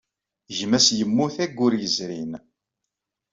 Gma-s yemmut ayyur yezrin.